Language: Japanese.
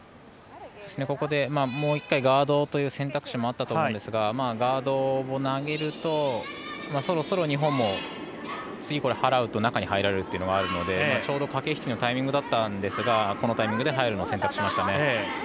ここで、もう１回ガードをという選択肢もあったと思うんですがガードを投げるとそろそろ日本も次、掃うと中に入られるというのがあるのでちょうど駆け引きのタイミングだったんですがこのタイミングで入ることを選択しましたね。